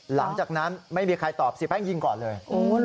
หลังจากนั้นไม่มีใครตอบเสียแป้งยิงก่อนเลย